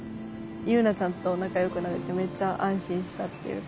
結菜ちゃんと仲よくなれてめっちゃ安心したっていうか。